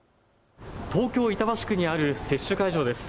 東京板橋区にある接種会場です。